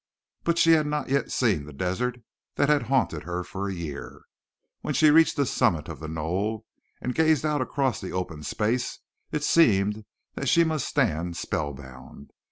But she had not yet seen the desert that had haunted her for a year. When she reached the summit of the knoll and gazed out across the open space it seemed that she must stand spellbound.